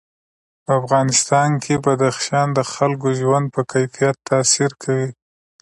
په افغانستان کې بدخشان د خلکو د ژوند په کیفیت تاثیر کوي.